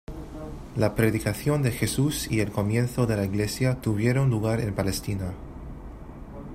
La predicación de Jesús y el comienzo de la Iglesia tuvieron lugar en Palestina.